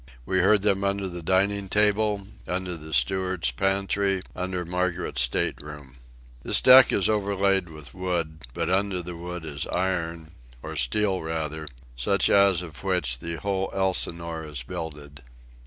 We heard them under the dining table, under the steward's pantry, under Margaret's stateroom. This deck is overlaid with wood, but under the wood is iron, or steel rather, such as of which the whole Elsinore is builded.